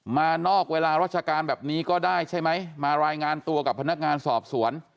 นอกเวลาราชการแบบนี้ก็ได้ใช่ไหมมารายงานตัวกับพนักงานสอบสวน